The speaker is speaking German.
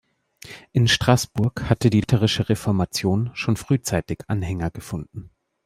In Straßburg hatte die lutherische Reformation schon frühzeitig Anhänger gefunden.